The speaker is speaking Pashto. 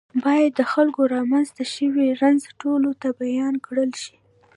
باید د خلکو رامنځته شوی رنځ ټولو ته بیان کړل شي.